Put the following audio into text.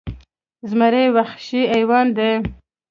زمری وخشي حیوان دې